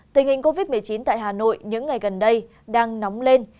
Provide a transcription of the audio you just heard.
tình hình covid một mươi chín tại hà nội những ngày gần đây đang nóng lên